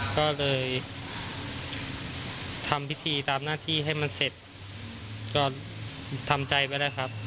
ก็เลยทำพิธีตามหน้าที่ให้มันเสร็จก็ทำใจไว้แล้วครับ